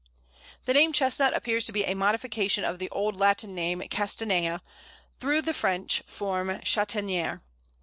The name Chestnut appears to be a modification of the old Latin name Castanea, through the French form Chataigner.